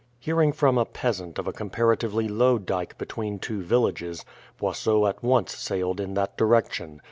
Hearing from a peasant of a comparatively low dyke between two villages Boisot at once sailed in that direction.